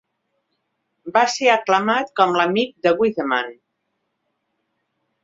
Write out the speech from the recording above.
Va ser aclamat com l'"amic de Whiteman".